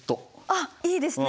あっいいですね！